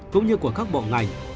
cũng như của các bộ ngành